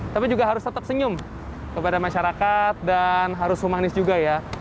tapi juga harus tetap senyum kepada masyarakat dan harus humanis juga ya